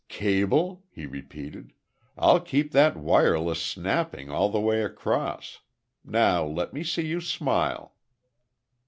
"Cable?" he repeated. "I'll keep that wireless snapping all the way across.... Now let me see you smile."